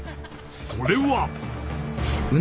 それは］